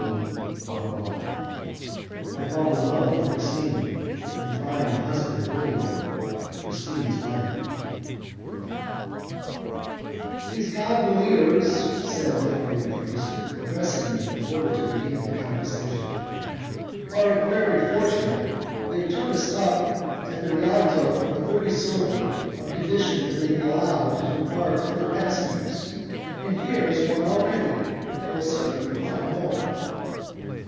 CHAPTER XIX I Fall in Love with Christine, and Find a Husband Worthy of Her Christine's Wedding "Those gondoliers," said the elderly priest, addressing me in order to begin the conversation, "are very fortunate. They took us up at the Rialto for thirty soldi, on condition that they would be allowed to embark other passengers, and here is one already; they will certainly find more."